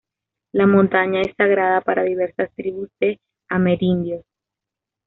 La montaña es sagrada para diversas tribus de amerindios.